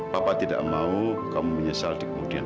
papa tidak ingin kamu menyesal dua hari kemudian